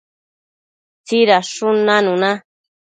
tsidadshun nanuna